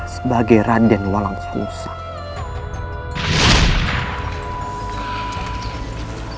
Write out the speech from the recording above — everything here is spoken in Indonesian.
sebagai raden walang pusat